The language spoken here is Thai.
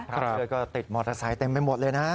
เสื้อก็ติดมอเตอร์ไซค์เต็มไปหมดเลยนะ